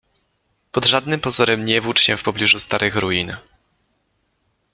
Pod żadnym pozorem nie włócz się w pobliżu starych ruin.